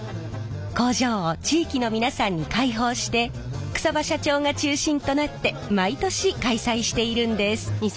工場を地域の皆さんに開放して草場社長が中心となって毎年開催しているんです。